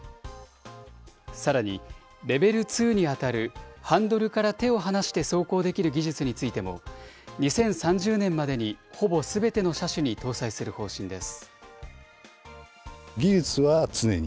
さらに、レベル２に当たるハンドルから手を離して走行できる技術についても、２０３０年までにほぼすべての車種に搭載する方針です。